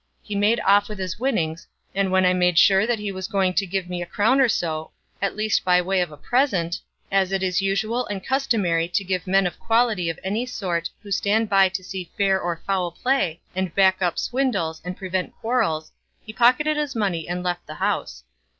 He made off with his winnings, and when I made sure he was going to give me a crown or so at least by way of a present, as it is usual and customary to give men of quality of my sort who stand by to see fair or foul play, and back up swindles, and prevent quarrels, he pocketed his money and left the house.